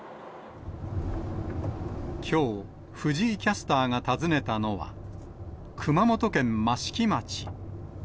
きょう、藤井キャスターが訪ねたのは、熊本県益城町。